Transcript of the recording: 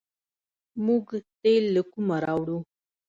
موږ تیل له کومه راوړو؟